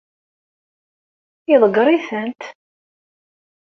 Iḍeggeṛ-itent?